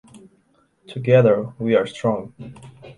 Together, we are strong.